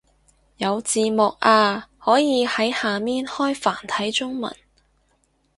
有字幕啊，可以喺下面開繁體中文